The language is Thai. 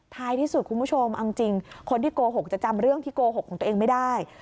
ท้ายที่สุดคุณผู้ชมเอาจริงคนที่โกหกจะจำเรื่องที่โกหกของตัวเองไม่ได้